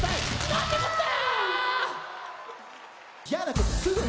何てこった！？